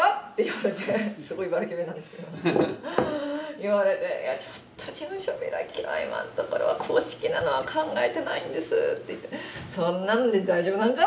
すごい茨城弁なんですけど言われて「ちょっと事務所開きは今のところは公式なのは考えてないんです」って言って「そんなんで大丈夫なんか？」